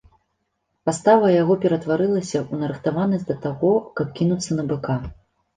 Пастава яго ператварылася ў нарыхтаванасць да таго, каб кінуцца на быка.